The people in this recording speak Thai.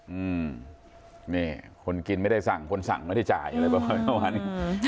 อืมนี่คนกินไม่ได้สั่งคนสั่งไม่ได้จ่ายอะไรประมาณนี้